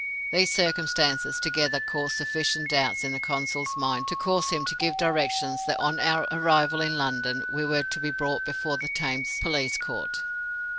These circumstances together caused sufficient doubts in the Consul's mind to cause him to give directions that, on our arrival in London, we were to be brought before the Thames Police Court.